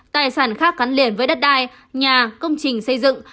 tài sản khác gắn liền với đất đai nhà công trình xây dựng